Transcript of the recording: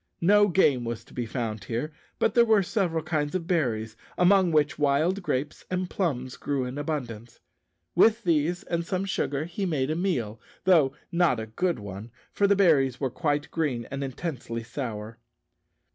No game was to be found here, but there were several kinds of berries, among which wild grapes and plums grew in abundance. With these and some sugar he made a meal, though not a good one, for the berries were quite green and intensely sour.